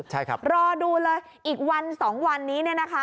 ใช่ครับรอดูเลยอีกวัน๒วันนี้เนี่ยนะคะ